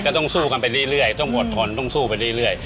ต้องสู้กันไปเรื่อยต้องอดทนต้องสู้ไปเรื่อย